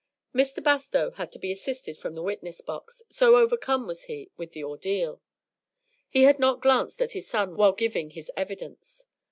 Mr. Bastow had to be assisted from the witness box, so overcome was he with the ordeal. He had not glanced at his son while giving his evidence.